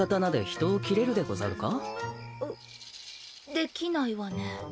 できないわね。